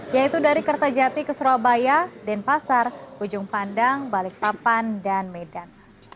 yaitu dari kertajati ke surabaya denpasar ujung pandang balikpapan dan medan